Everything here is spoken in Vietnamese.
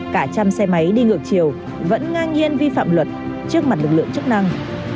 cả trăm xe máy đi ngược chiều vẫn ngang nhiên vi phạm luật trước mặt lực lượng chức năng